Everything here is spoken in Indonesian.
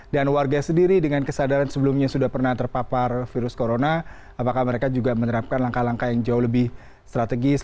dan warga sendiri dengan kesadaran sebelumnya sudah pernah terpapar virus corona apakah mereka juga menerapkan langkah langkah yang jauh lebih strategis